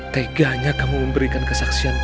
teganya kamu memberikan saya anggaran ple